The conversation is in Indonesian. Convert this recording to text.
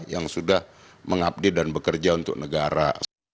yang sudah mengabdi dan bekerja untuk negara